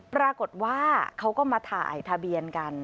ปรากฏว่าเขาก็มาถ่ายทะเบียนกัน